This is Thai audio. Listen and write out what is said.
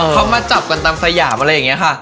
เขามาจับกันตามสยามอะไรอย่างนี้ค่ะ